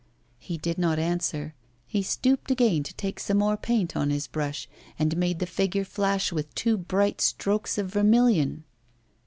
He did not answer; he stooped again to take some more paint on his brush, and made the figure flash with two bright strokes of vermilion.